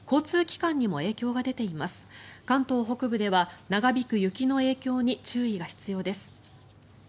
関東北部では長引く雪の影響に注意が必要です。